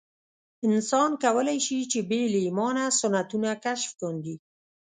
انسان کولای شي چې بې له ایمانه سنتونه کشف کاندي.